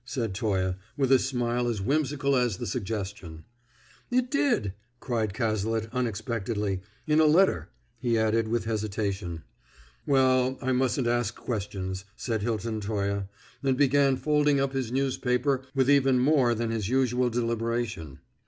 said Toye, with a smile as whimsical as the suggestion. "It did!" cried Cazalet unexpectedly. "In a letter," he added with hesitation. "Well, I mustn't ask questions," said Hilton Toye, and began folding up his newspaper with even more than his usual deliberation.